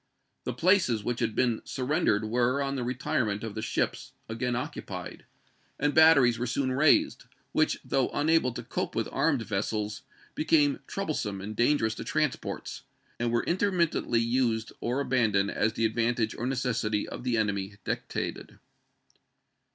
The places which had been surrendered were, on the retirement of the ships, again occupied, and batteries were soon raised, which, though unable to cope with armed vessels, became troublesome and dangerous to transports, and were intermittently used or abandoned as the advantage or necessity of the enemy dictated.